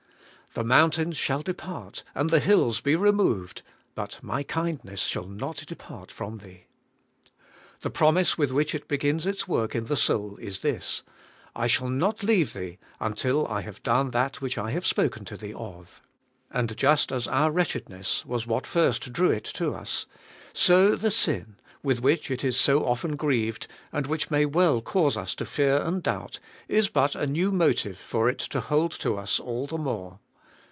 'The mountains shall depart, and the hills be removed, but my kindness shall not depart from thee.' The promise with which it begins its work in the soul is this: 'I shall not leave thee, until I have done that which I have spoken to thee of.' And just as our wretchedness was what first drew it to us, so the sin, with which it is so often grieved, and which may well cause us to fear and doubt, is but a new motive for it to hold to us all the more.